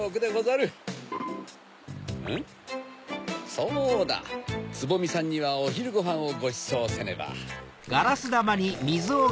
そうだつぼみさんにはおひるごはんをごちそうせねば。